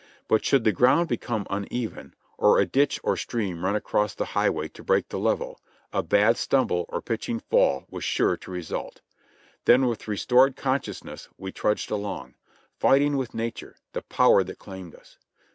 But should the ground become uneven, or a ditch or stream run across the highway to break the level, a bad stumble or pitching fall was sure to result. Then with restored consciousness we trudged along, fighting with Nature, the power that claimed us.